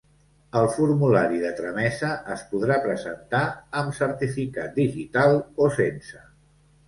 El formulari de tramesa es podrà presentar amb certificat digital o sense.